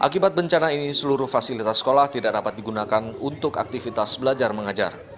akibat bencana ini seluruh fasilitas sekolah tidak dapat digunakan untuk aktivitas belajar mengajar